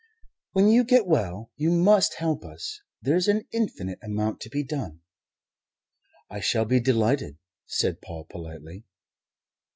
"When you get well you must help us. There's an infinite amount to be done." "I shall be delighted," said Paul politely.